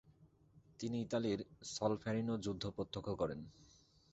তিনি ইতালির সলফেরিনো যুদ্ধ প্রত্যক্ষ করেন।